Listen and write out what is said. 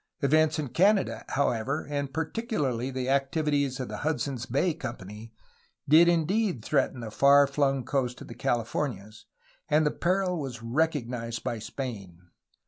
Events in Canada, however, and particularly the activities of the Hudson's Bay Company, did indeed threaten the far flung coast of the Californias, and the peril was recognized by Spain.